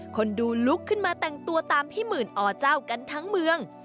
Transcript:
คนดูลุกขึ้นมาแต่งตัวตามพี่หมื่นอเจ้ากันทั้งเมือง